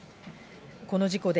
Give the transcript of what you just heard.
この事故で、